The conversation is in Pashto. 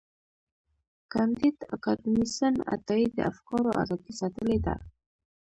کانديد اکاډميسن عطایي د افکارو ازادي ستایلې ده.